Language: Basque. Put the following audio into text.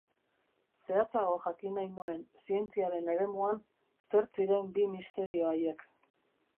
Zehatzago jakin nahi nuen, zientziaren eremuan, zer ziren bi misterio haiek.